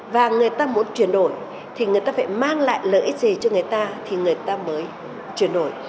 và người ta muốn chuyển đổi thì người ta phải mang lại lợi ích gì cho người ta thì người ta mới chuyển đổi